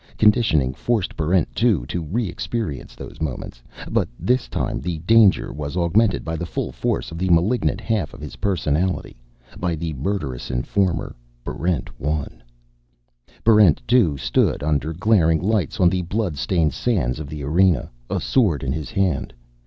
Conditioning forced Barrent 2 to re experience those moments. But this time, the danger was augmented by the full force of the malignant half of his personality by the murderous informer, Barrent 1. Barrent 2 stood under glaring lights on the blood stained sands of the Arena, a sword in his hand.